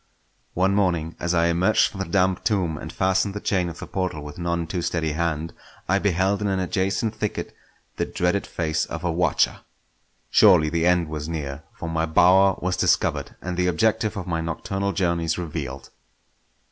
One morning as I emerged from the damp tomb and fastened the chain of the portal with none too steady hand, I beheld in an adjacent thicket the dreaded face of a watcher. Surely the end was near; for my bower was discovered, and the objective of my nocturnal journeys revealed.